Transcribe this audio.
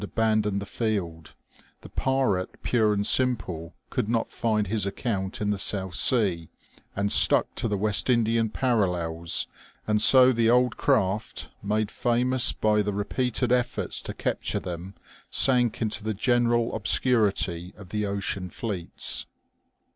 199 abandoned the field, the pirate pure and simple could not find his account in the South Sea, and stuck to the West Indian parallels, and so the old craft, made famous by the repeated efforts to capture them, sank into the general obscurity of the ocean fleets.